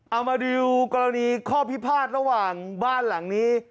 เอามาดูกรณีข้อพิพาทระหว่างบ้านหลังนี้